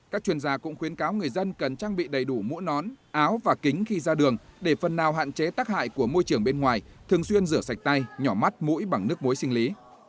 các chuyên gia cũng khuyến cáo người dân cần trang bị đầy đủ mũ nón áo và kính khi ra đường để phần nào hạn chế tác hại của môi trường bên ngoài thường xuyên rửa sạch tay nhỏ mắt mũi bằng nước muối sinh lý